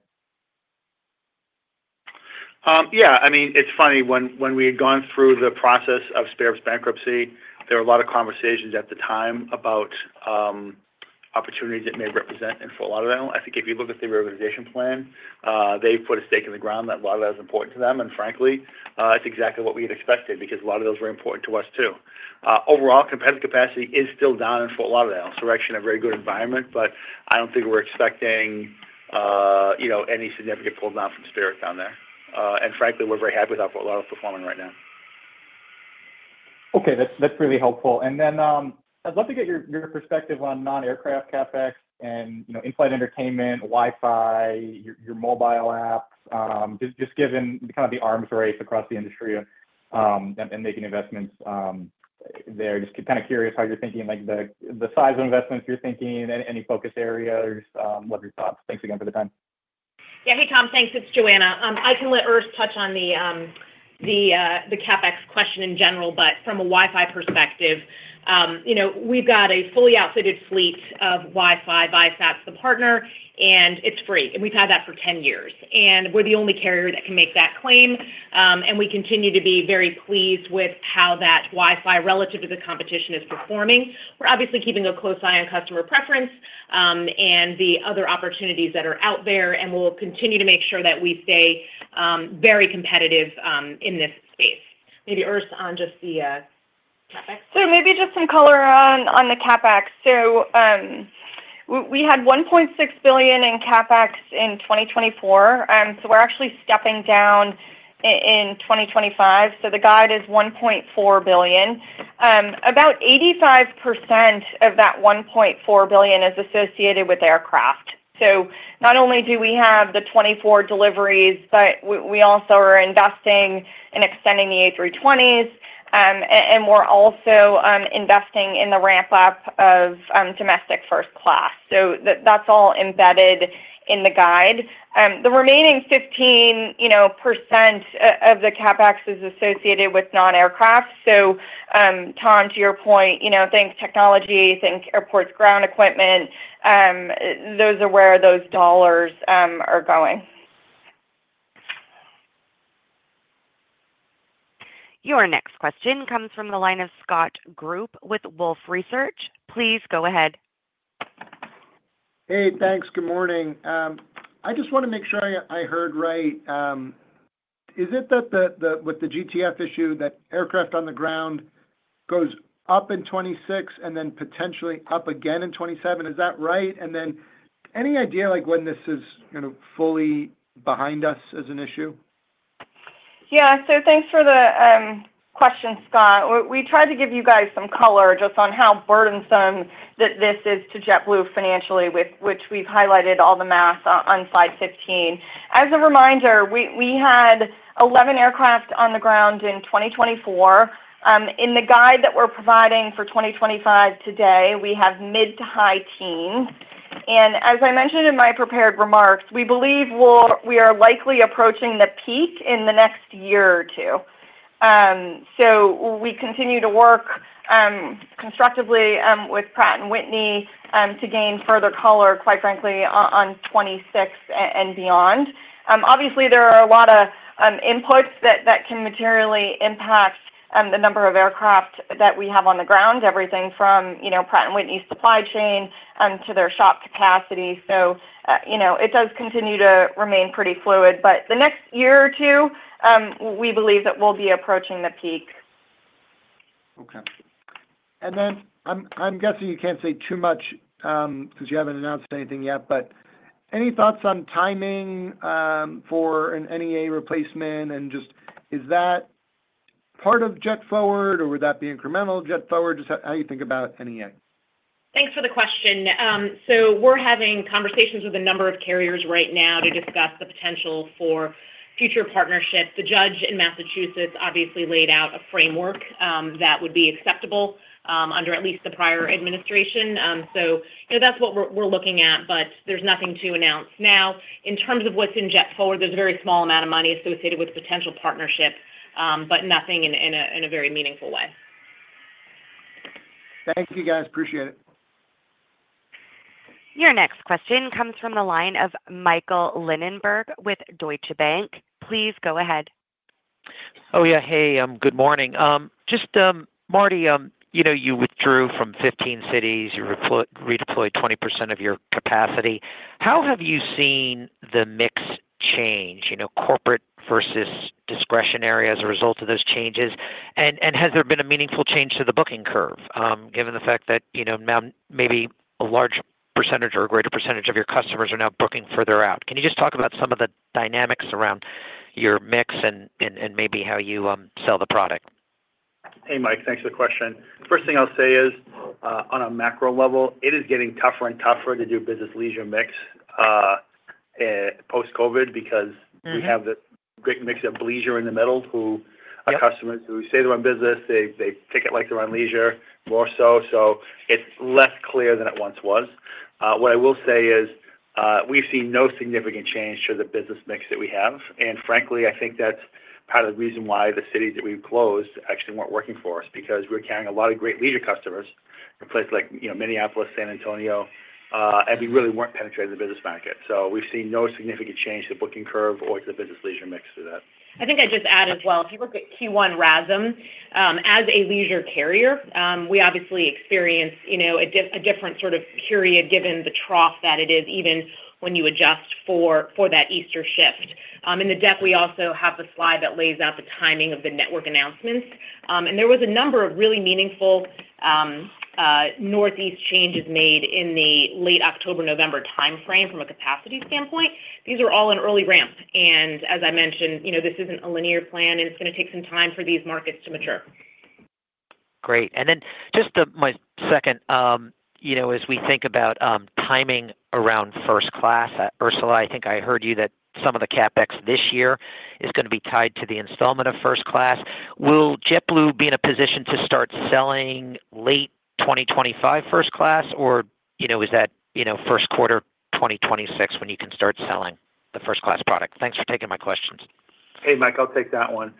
Yeah. I mean, it's funny. When we had gone through the process of Spirit's bankruptcy, there were a lot of conversations at the time about opportunities it may represent in Fort Lauderdale. I think if you look at the reorganization plan, they put a stake in the ground that a lot of that is important to them. And frankly, it's exactly what we had expected because a lot of those were important to us too. Overall, competitive capacity is still down in Fort Lauderdale, so we're actually in a very good environment, but I don't think we're expecting any significant pulldown from Spirit down there. And frankly, we're very happy with how Fort Lauderdale is performing right now. Okay. That's really helpful. And then I'd love to get your perspective on non-aircraft CapEx and in-flight entertainment, Wi-Fi, your mobile apps, just given kind of the arms race across the industry and making investments there. Just kind of curious how you're thinking the size of investments you're thinking, any focus areas, what are your thoughts? Thanks again for the time. Yeah. Hey, Tom. Thanks. It's Joanna. I can let Urs touch on the CapEx question in general, but from a Wi-Fi perspective, we've got a fully outfitted fleet of Wi-Fi by Viasat, the partner, and it's free. And we've had that for 10 years. And we're the only carrier that can make that claim. And we continue to be very pleased with how that Wi-Fi relative to the competition is performing. We're obviously keeping a close eye on customer preference and the other opportunities that are out there, and we'll continue to make sure that we stay very competitive in this space. Maybe Urs on just the CapEx? Maybe just some color on the CapEx. We had $1.6 billion in CapEx in 2024. We're actually stepping down in 2025. The guide is $1.4 billion. About 85% of that $1.4 billion is associated with aircraft. Not only do we have the 24 deliveries, but we also are investing in extending the A320s, and we're also investing in the ramp-up of Domestic First Class. That's all embedded in the guide. The remaining 15% of the CapEx is associated with non-aircraft. Tom, to your point, think technology, think airports' ground equipment. Those are where those dollars are going. Your next question comes from the line of Scott Group with Wolfe Research. Please go ahead. Hey, thanks. Good morning. I just want to make sure I heard right. Is it that with the GTF issue that aircraft on the ground goes up in 2026 and then potentially up again in 2027? Is that right? And then any idea when this is fully behind us as an issue? Yeah. So thanks for the question, Scott. We tried to give you guys some color just on how burdensome this is to JetBlue financially, which we've highlighted all the math on slide 15. As a reminder, we had 11 aircraft on the ground in 2024. In the guide that we're providing for 2025 today, we have mid to high teens. And as I mentioned in my prepared remarks, we believe we are likely approaching the peak in the next year or two. So we continue to work constructively with Pratt & Whitney to gain further color, quite frankly, on 2026 and beyond. Obviously, there are a lot of inputs that can materially impact the number of aircraft that we have on the ground, everything from Pratt & Whitney's supply chain to their shop capacity. So it does continue to remain pretty fluid, but the next year or two, we believe that we'll be approaching the peak. Okay. And then I'm guessing you can't say too much because you haven't announced anything yet, but any thoughts on timing for an NEA replacement? And just is that part of JetForward, or would that be incremental JetForward? Just how you think about NEA. Thanks for the question. So we're having conversations with a number of carriers right now to discuss the potential for future partnerships. The judge in Massachusetts obviously laid out a framework that would be acceptable under at least the prior administration. So that's what we're looking at, but there's nothing to announce now. In terms of what's in JetForward, there's a very small amount of money associated with potential partnerships, but nothing in a very meaningful way. Thank you, guys. Appreciate it. Your next question comes from the line of Michael Linenberg with Deutsche Bank. Please go ahead. Oh yeah, hey. Good morning. Just, Marty, you withdrew from 15 cities. You redeployed 20% of your capacity. How have you seen the mix change, corporate versus discretionary as a result of those changes? And has there been a meaningful change to the booking curve, given the fact that now maybe a large percentage or a greater percentage of your customers are now booking further out? Can you just talk about some of the dynamics around your mix and maybe how you sell the product? Hey, Mike. Thanks for the question. First thing I'll say is, on a macro level, it is getting tougher and tougher to do business leisure mix post-COVID because we have this great mix of leisure in the middle who are customers who say they're on business. They take it like they're on leisure more so. So it's less clear than it once was. What I will say is we've seen no significant change to the business mix that we have. And frankly, I think that's part of the reason why the cities that we've closed actually weren't working for us because we were carrying a lot of great leisure customers in places like Minneapolis, San Antonio, and we really weren't penetrating the business market. So we've seen no significant change to the booking curve or to the business leisure mix for that. I think I'd just add as well, if you look at Q1 RASM, as a leisure carrier, we obviously experienced a different sort of period given the trough that it is even when you adjust for that Easter shift. In the deck, we also have the slide that lays out the timing of the network announcements. And there was a number of really meaningful Northeast changes made in the late October, November timeframe from a capacity standpoint. These were all an early ramp. And as I mentioned, this isn't a linear plan, and it's going to take some time for these markets to mature. Great. And then just my second, as we think about timing around first class, Ursula, I think I heard you that some of the CapEx this year is going to be tied to the installation of first class. Will JetBlue be in a position to start selling late 2025 first class, or is that first quarter 2026 when you can start selling the first-class product? Thanks for taking my questions. Hey, Mike. I'll take that one.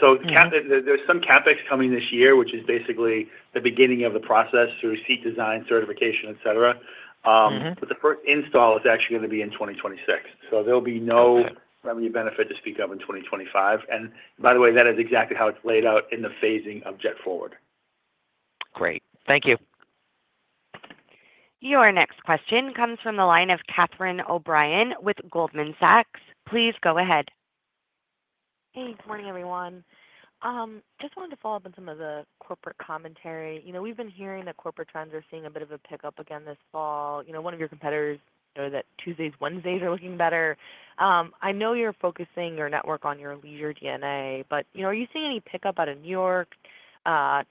So there's some CapEx coming this year, which is basically the beginning of the process through seat design, certification, etc. But the first install is actually going to be in 2026. So there'll be no revenue benefit to speak of in 2025. And by the way, that is exactly how it's laid out in the phasing of JetForward. Great. Thank you. Your next question comes from the line of Catherine O'Brien with Goldman Sachs. Please go ahead. Hey, good morning, everyone. Just wanted to follow up on some of the corporate commentary. We've been hearing that corporate trends are seeing a bit of a pickup again this fall. One of your competitors knows that Tuesdays, Wednesdays are looking better. I know you're focusing your network on your leisure DNA, but are you seeing any pickup out of New York,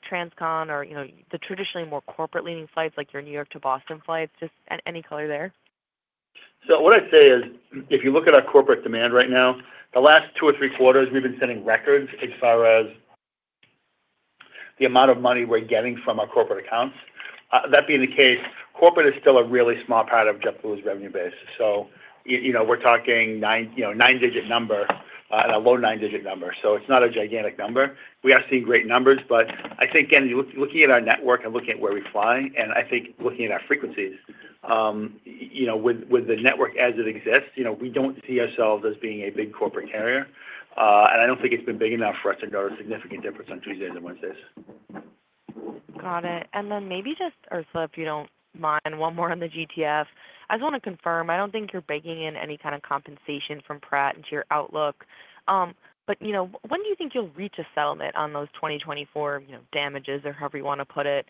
TransCon, or the traditionally more corporate-leaning flights like your New York to Boston flights? Just any color there? So what I'd say is, if you look at our corporate demand right now, the last two or three quarters, we've been setting records as far as the amount of money we're getting from our corporate accounts. That being the case, corporate is still a really small part of JetBlue's revenue base. So we're talking a nine-digit number, a low nine-digit number. So it's not a gigantic number. We are seeing great numbers, but I think, again, looking at our network and looking at where we fly, and I think looking at our frequencies, with the network as it exists, we don't see ourselves as being a big corporate carrier. And I don't think it's been big enough for us to go to a significant difference on Tuesdays and Wednesdays. Got it. And then maybe just, Ursula, if you don't mind, one more on the GTF. I just want to confirm. I don't think you're baking in any kind of compensation from Pratt into your outlook. But when do you think you'll reach a settlement on those 2024 damages or however you want to put it?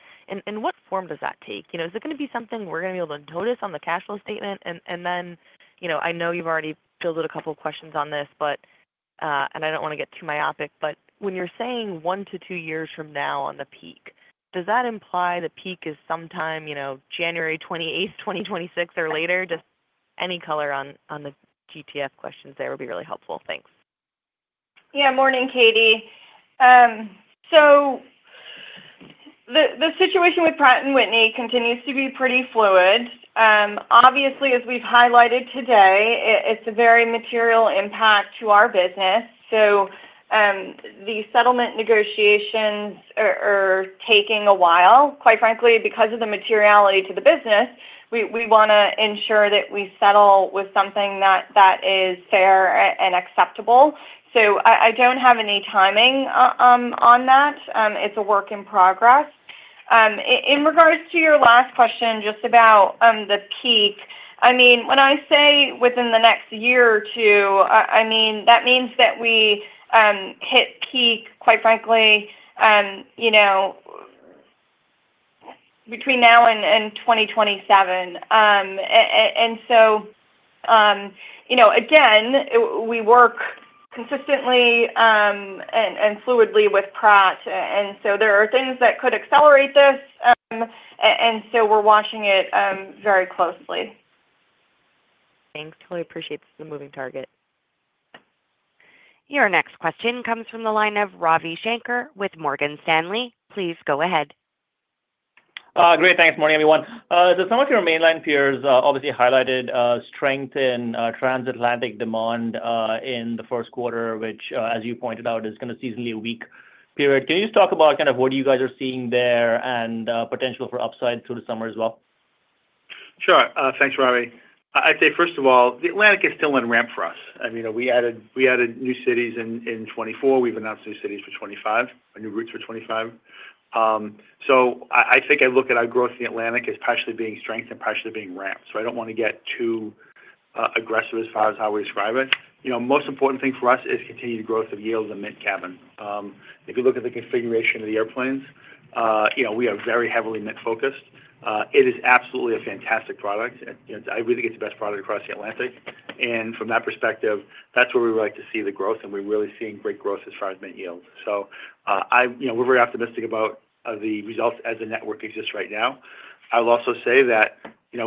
And what form does that take? Is it going to be something we're going to be able to notice on the cash flow statement? And then I know you've already fielded a couple of questions on this, and I don't want to get too myopic, but when you're saying one to two years from now on the peak, does that imply the peak is sometime January 28th, 2026 or later? Just any color on the GTF questions there would be really helpful. Thanks. Yeah. Morning, Catie. So the situation with Pratt & Whitney continues to be pretty fluid. Obviously, as we've highlighted today, it's a very material impact to our business. So the settlement negotiations are taking a while, quite frankly, because of the materiality to the business. We want to ensure that we settle with something that is fair and acceptable. So I don't have any timing on that. It's a work in progress. In regards to your last question just about the peak, I mean, when I say within the next year or two, I mean, that means that we hit peak, quite frankly, between now and 2027. And so again, we work consistently and fluidly with Pratt. And so there are things that could accelerate this. And so we're watching it very closely. Thanks. Totally appreciate the moving target. Your next question comes from the line of Ravi Shanker with Morgan Stanley. Please go ahead. Great. Thanks. Morning, everyone. Some of your mainline peers obviously highlighted strength in transatlantic demand in the first quarter, which, as you pointed out, is a seasonally weak period. Can you just talk about kind of what you guys are seeing there and potential for upside through the summer as well? Sure. Thanks, Ravi. I'd say, first of all, the Atlantic is still in ramp for us. I mean, we added new cities in 2024. We've announced new cities for 2025, new routes for 2025. So I think I look at our growth in the Atlantic as partially being strength and partially being ramp. So I don't want to get too aggressive as far as how we describe it. The most important thing for us is continued growth of yields and Mint cabin. If you look at the configuration of the airplanes, we are very heavily Mint-focused. It is absolutely a fantastic product. I really think it's the best product across the Atlantic. And from that perspective, that's where we would like to see the growth, and we're really seeing great growth as far as Mint yield. So we're very optimistic about the results as the network exists right now. I will also say that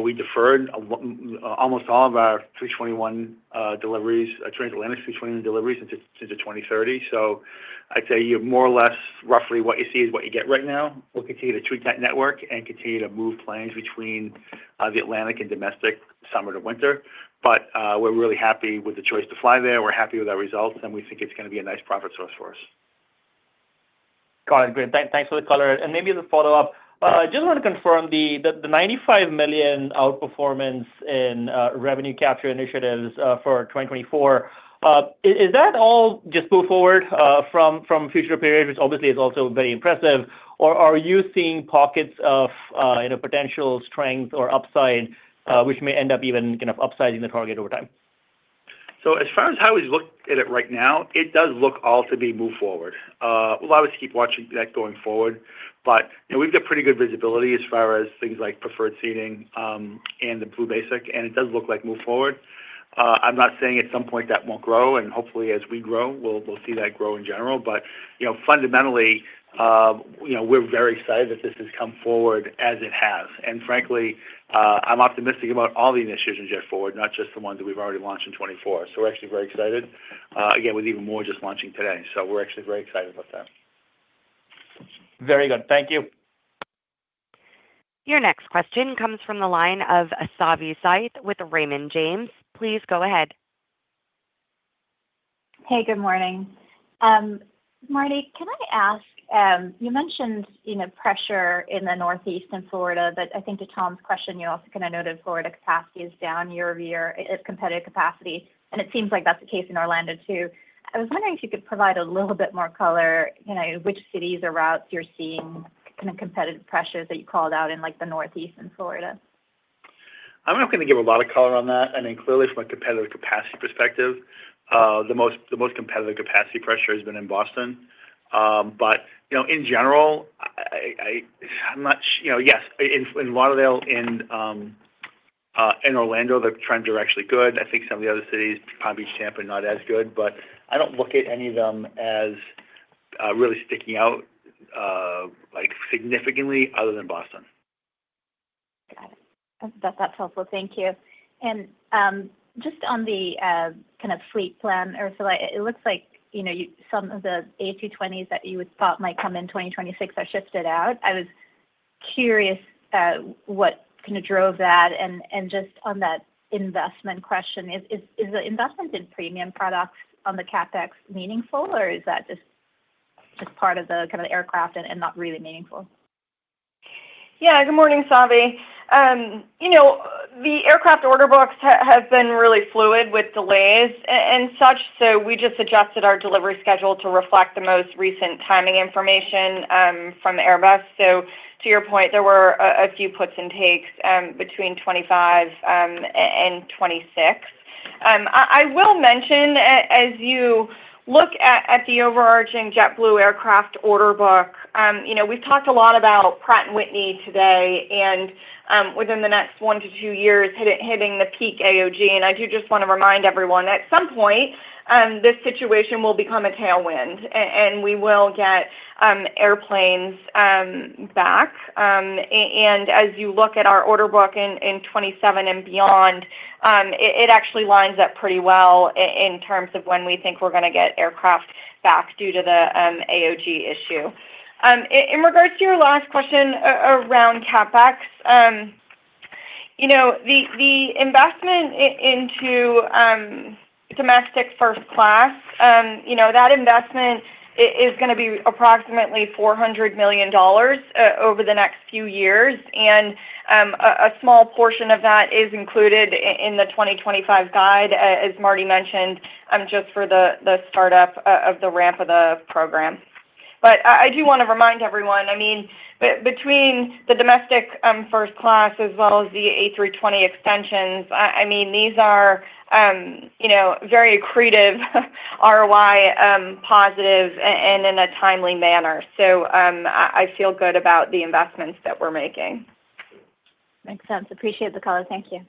we deferred almost all of our 321 deliveries, transatlantic 321 deliveries into 2030. So I'd say more or less, roughly, what you see is what you get right now. We'll continue to tweak that network and continue to move planes between the Atlantic and domestic summer to winter. But we're really happy with the choice to fly there. We're happy with our results, and we think it's going to be a nice profit source for us. Got it. Great. Thanks for the color. And maybe as a follow-up, I just want to confirm the $95 million outperformance in revenue capture initiatives for 2024. Is that all just move forward from future period, which obviously is also very impressive? Or are you seeing pockets of potential strength or upside which may end up even kind of upsizing the target over time? So, as far as how we look at it right now, it does look all to be move forward. We'll obviously keep watching that going forward. But we've got pretty good visibility as far as things like preferred seating and the Blue Basic, and it does look like move forward. I'm not saying at some point that won't grow. And hopefully, as we grow, we'll see that grow in general. But fundamentally, we're very excited that this has come forward as it has. And frankly, I'm optimistic about all the initiatives in JetForward, not just the ones that we've already launched in 2024. So we're actually very excited, again, with EvenMore just launching today. So we're actually very excited about that. Very good. Thank you. Your next question comes from the line of Savi Syth with Raymond James. Please go ahead. Hey, good morning. Marty, can I ask? You mentioned pressure in the Northeast in Florida, but I think to Tom's question, you also kind of noted Florida capacity is down year over year at competitive capacity. And it seems like that's the case in Orlando too. I was wondering if you could provide a little bit more color in which cities or routes you're seeing kind of competitive pressures that you called out in the Northeast in Florida. I'm not going to give a lot of color on that. I mean, clearly, from a competitive capacity perspective, the most competitive capacity pressure has been in Boston. But in general, I'm not sure. Yes, in Lauderdale and Orlando, the trends are actually good. I think some of the other cities, Palm Beach, Tampa, not as good. But I don't look at any of them as really sticking out significantly other than Boston. Got it. That's helpful. Thank you. And just on the kind of fleet plan, Ursula, it looks like some of the A220s that you thought might come in 2026 are shifted out. I was curious what kind of drove that. And just on that investment question, is the investment in premium products on the CapEx meaningful, or is that just part of the kind of aircraft and not really meaningful? Yeah. Good morning, Savi. The aircraft order books have been really fluid with delays and such. So we just adjusted our delivery schedule to reflect the most recent timing information from Airbus. So to your point, there were a few puts and takes between 2025 and 2026. I will mention, as you look at the overarching JetBlue aircraft order book, we've talked a lot about Pratt & Whitney today and within the next one to two years hitting the peak AOG. And I do just want to remind everyone, at some point, this situation will become a tailwind, and we will get airplanes back. And as you look at our order book in 2027 and beyond, it actually lines up pretty well in terms of when we think we're going to get aircraft back due to the AOG issue. In regard to your last question around CapEx, the investment into Domestic First Class, that investment is going to be approximately $400 million over the next few years. A small portion of that is included in the 2025 guide, as Marty mentioned, just for the startup of the ramp of the program. I do want to remind everyone, I mean, between the Domestic First Class as well as the A320 extensions, I mean, these are very accretive ROI positive and in a timely manner. I feel good about the investments that we're making. Makes sense. Appreciate the color. Thank you.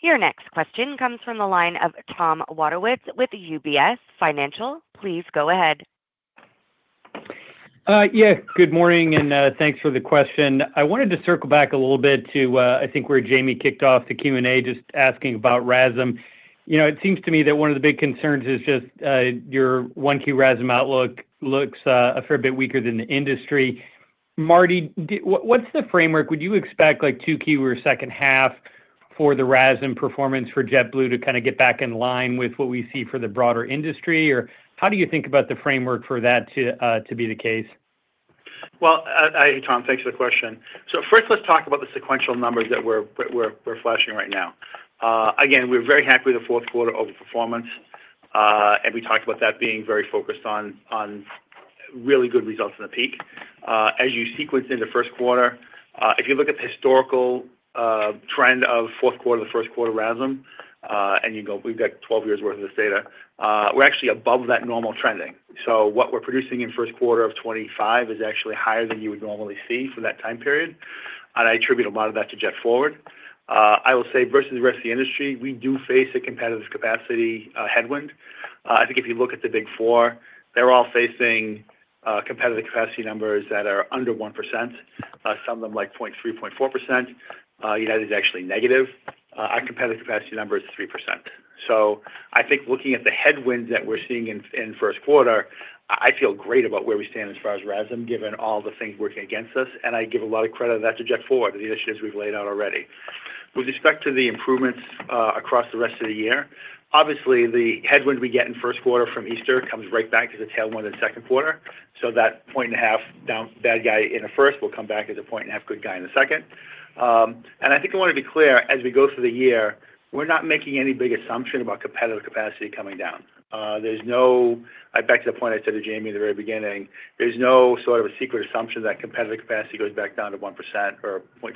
Your next question comes from the line of Tom Wadewitz with UBS Financial. Please go ahead. Yeah. Good morning, and thanks for the question. I wanted to circle back a little bit to, I think where Jamie kicked off the Q&A just asking about RASM. It seems to me that one of the big concerns is just your 1Q RASM outlook looks a fair bit weaker than the industry. Marty, what's the framework? Would you expect 2Q or second half for the RASM performance for JetBlue to kind of get back in line with what we see for the broader industry? Or how do you think about the framework for that to be the case? Tom, thanks for the question. First, let's talk about the sequential numbers that we're flashing right now. Again, we're very happy with the fourth quarter overperformance. We talked about that being very focused on really good results in the peak. As you sequence into first quarter, if you look at the historical trend of fourth quarter, the first quarter RASM, and you go, we've got 12 years' worth of this data, we're actually above that normal trending. What we're producing in first quarter of 2025 is actually higher than you would normally see for that time period. I attribute a lot of that to JetForward. I will say, versus the rest of the industry, we do face a competitive capacity headwind. I think if you look at the Big Four, they're all facing competitive capacity numbers that are under 1%. Some of them like 0.3%, 0.4%. United is actually negative. Our competitive capacity number is 3%. So I think looking at the headwinds that we're seeing in first quarter, I feel great about where we stand as far as RASM, given all the things working against us. And I give a lot of credit to that to JetForward, the initiatives we've laid out already. With respect to the improvements across the rest of the year, obviously, the headwind we get in first quarter from Easter comes right back as a tailwind in second quarter. So that point and a half bad guy in the first will come back as a point and a half good guy in the second. And I think I want to be clear, as we go through the year, we're not making any big assumption about competitive capacity coming down. There's no, back to the point I said to Jamie in the very beginning, there's no sort of a secret assumption that competitive capacity goes back down to 1% or 0.5%.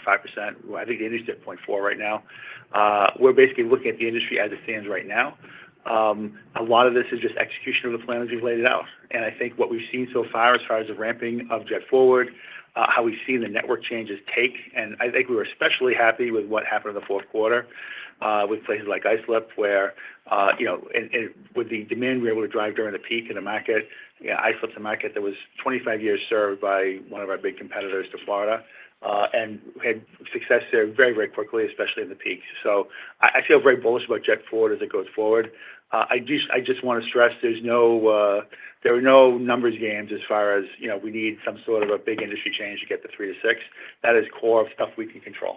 I think the industry is at 0.4% right now. We're basically looking at the industry as it stands right now. A lot of this is just execution of the plans we've laid out. And I think what we've seen so far as far as the ramping of JetForward, how we've seen the network changes take. And I think we were especially happy with what happened in the fourth quarter with places like Islip, where with the demand we were able to drive during the peak in the market, Islip's a market that was 25 years served by one of our big competitors to Florida and had success there very, very quickly, especially in the peak. I feel very bullish about JetForward as it goes forward. I just want to stress there are no numbers games as far as we need some sort of a big industry change to get the three to six. That is core of stuff we can control.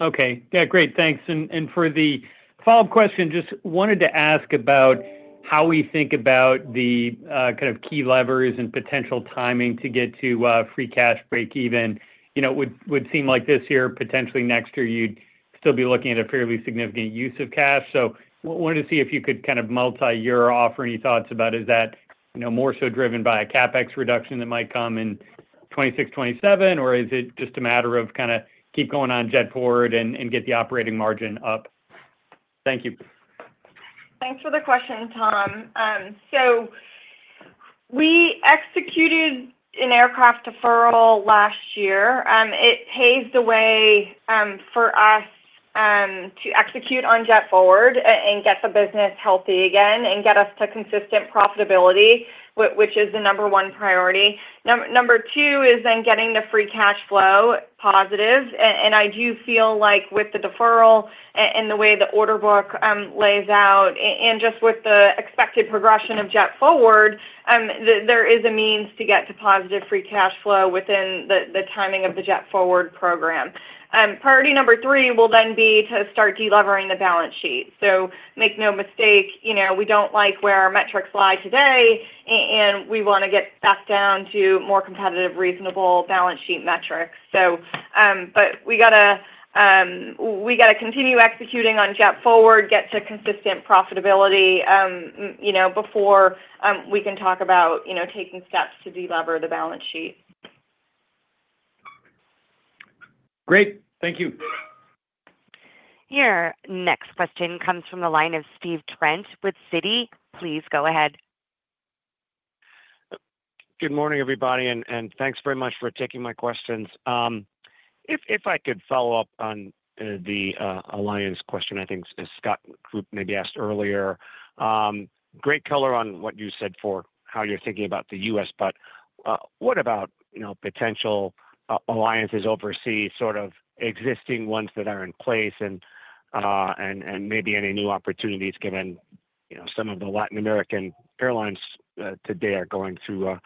Okay. Yeah. Great. Thanks. And for the follow-up question, just wanted to ask about how we think about the kind of key levers and potential timing to get to free cash break-even. It would seem like this year, potentially next year, you'd still be looking at a fairly significant use of cash. So wanted to see if you could kind of multi-year offer any thoughts about is that more so driven by a CapEx reduction that might come in 2026, 2027, or is it just a matter of kind of keep going on JetForward and get the operating margin up? Thank you. Thanks for the question, Tom. So we executed an aircraft deferral last year. It paved the way for us to execute on JetForward and get the business healthy again and get us to consistent profitability, which is the number one priority. Number two is then getting the free cash flow positive. And I do feel like with the deferral and the way the order book lays out and just with the expected progression of JetForward, there is a means to get to positive free cash flow within the timing of the JetForward program. Priority number three will then be to start delivering the balance sheet. So make no mistake, we don't like where our metrics lie today, and we want to get back down to more competitive, reasonable balance sheet metrics. But we got to continue executing on JetForward, get to consistent profitability before we can talk about taking steps to deliver the balance sheet. Great. Thank you. Your next question comes from the line of Steve Trent with Citi. Please go ahead. Good morning, everybody. Thanks very much for taking my questions. If I could follow up on the alliance question, I think Scott maybe asked earlier. Great color on what you said for how you're thinking about the U.S., but what about potential alliances overseas, sort of existing ones that are in place and maybe any new opportunities given some of the Latin American airlines today are going through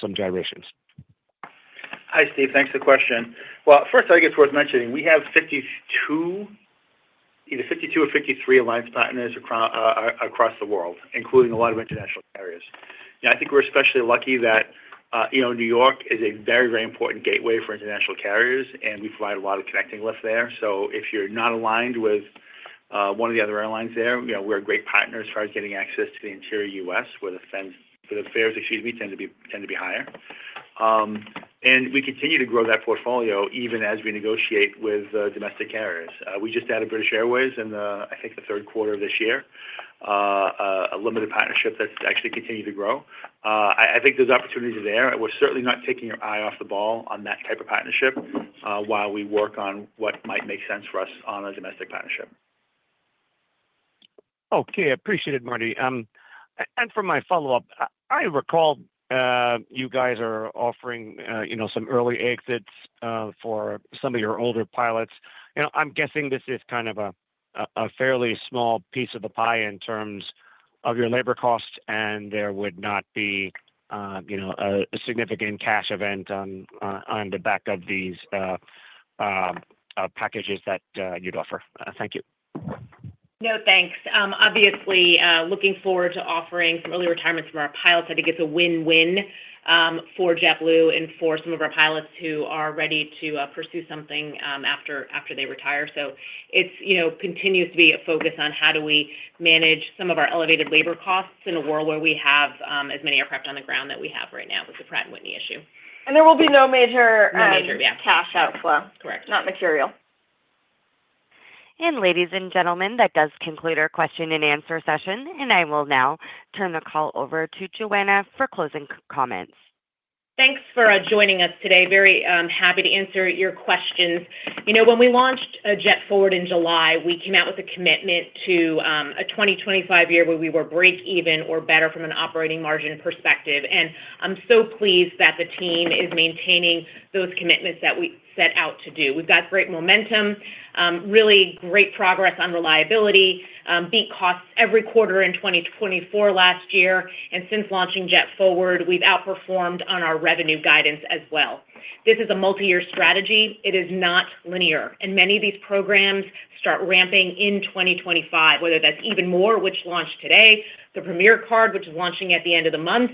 some gyrations? Hi, Steve. Thanks for the question. First, I think it's worth mentioning we have either 52 or 53 alliance partners across the world, including a lot of international carriers. I think we're especially lucky that New York is a very, very important gateway for international carriers, and we provide a lot of connecting flights there. So if you're not aligned with one of the other airlines there, we're a great partner as far as getting access to the interior U.S. where the fares, excuse me, tend to be higher. We continue to grow that portfolio even as we negotiate with domestic carriers. We just added British Airways in, I think, the third quarter of this year, a limited partnership that's actually continued to grow. I think those opportunities are there. We're certainly not taking our eye off the ball on that type of partnership while we work on what might make sense for us on a domestic partnership. Okay. Appreciate it, Marty. And for my follow-up, I recall you guys are offering some early exits for some of your older pilots. I'm guessing this is kind of a fairly small piece of the pie in terms of your labor costs, and there would not be a significant cash event on the back of these packages that you'd offer. Thank you. No, thanks. Obviously, looking forward to offering some early retirements from our pilots, I think it's a win-win for JetBlue and for some of our pilots who are ready to pursue something after they retire, so it continues to be a focus on how do we manage some of our elevated labor costs in a world where we have as many aircraft on the ground that we have right now with the Pratt & Whitney issue. There will be no major. No major, yeah. Cash outflow. Correct. Not material. Ladies and gentlemen, that does conclude our question-and-answer session. I will now turn the call over to Joanna for closing comments. Thanks for joining us today. Very happy to answer your questions. When we launched JetForward in July, we came out with a commitment to a 2025 year where we were break-even or better from an operating margin perspective. And I'm so pleased that the team is maintaining those commitments that we set out to do. We've got great momentum, really great progress on reliability, beat costs every quarter in 2024 last year. And since launching JetForward, we've outperformed on our revenue guidance as well. This is a multi-year strategy. It is not linear. And many of these programs start ramping in 2025, whether that's EvenMore, which launched today, the Premier Card, which is launching at the end of the month,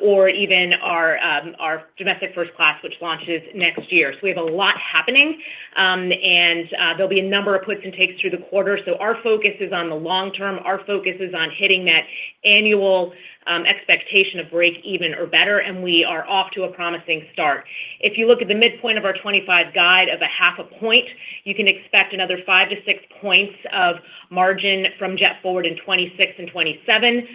or even our Domestic First Class, which launches next year. So we have a lot happening. And there'll be a number of puts and takes through the quarter. Our focus is on the long term. Our focus is on hitting that annual expectation of break-even or better. We are off to a promising start. If you look at the midpoint of our 2025 guide of a half a point, you can expect another five-to-six points of margin from JetForward in 2026 and 2027.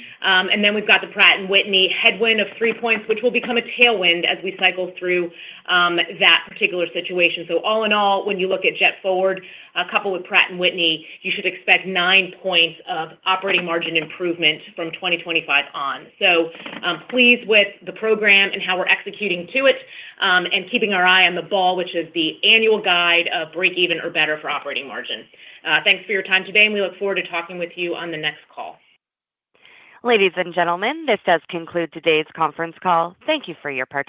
Then we've got the Pratt & Whitney headwind of three points, which will become a tailwind as we cycle through that particular situation. All in all, when you look at JetForward, coupled with Pratt & Whitney, you should expect nine points of operating margin improvement from 2025 on. Pleased with the program and how we're executing to it and keeping our eye on the ball, which is the annual guide of break-even or better for operating margin. Thanks for your time today, and we look forward to talking with you on the next call. Ladies and gentlemen, this does conclude today's conference call. Thank you for your participation.